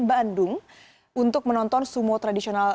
bandung untuk menonton sumo tradisional